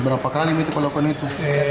berapa kali itu kalau melakukan itu